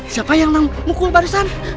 siapa yang menangkul barusan